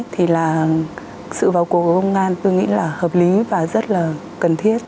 thì là sự vào cuộc của công an tôi nghĩ là hợp lý và rất là cần thiết